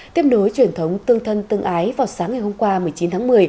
tiếp nối truyền thống tương thân tương ái vào sáng ngày hôm qua một mươi chín tháng một mươi